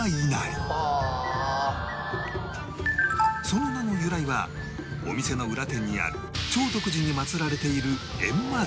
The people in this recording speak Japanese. その名の由来はお店の裏手にある長徳寺に祭られている閻魔像